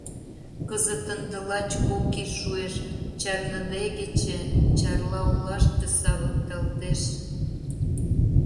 Кызыт ынде, лач кок ий шуэш, чарныдегече Чарла олаште савыкталтеш.